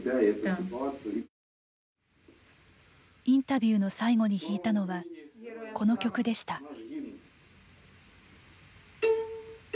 インタビューの最後に弾いたのは、この曲でした。